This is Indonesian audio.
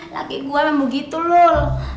laki gua memang begitu lul